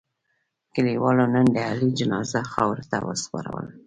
کلیوالو نن د علي جنازه خاورو ته و سپارله.